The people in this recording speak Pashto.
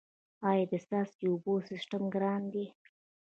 آیا د څاڅکي اوبو سیستم ګران دی؟